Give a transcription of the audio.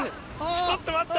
ちょっと待った！